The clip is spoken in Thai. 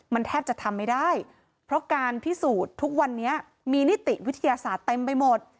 มันแทบจะทำไม่ได้เพราะการพิสูจน์ทุกวันนี้มีนิติวิทยาศาสตร์เต็มไปหมด